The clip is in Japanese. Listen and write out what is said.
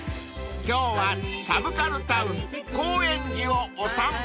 今日はサブカルタウン高円寺をお散歩］